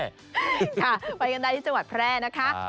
ไปกันได้ที่จังหวัดแพร่นะคะ